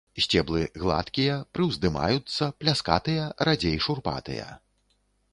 Сцеблы гладкія, прыўздымаюцца, пляскатыя, радзей шурпатыя.